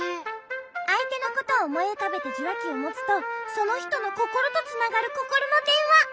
あいてのことをおもいうかべてじゅわきをもつとそのひとのココロとつながるココロのでんわ。